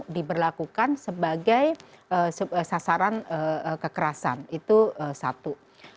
jadi kita berlakukan sebagai sasaran kekerasan itu satu